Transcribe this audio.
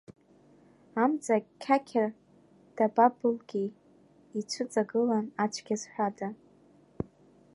Амҵа қьақьа дабабылгьеи, ицәыҵагылан ацәгьа зҳәада?